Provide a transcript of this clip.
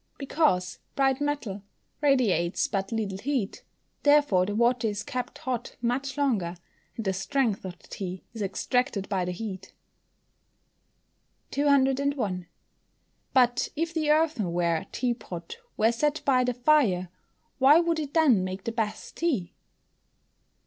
_ Because bright metal radiates but little heat, therefore the water is kept hot much longer, and the strength of the tea is extracted by the heat. 201. _But if the earthenware tea pot were set by the fire, why would it then make the best tea?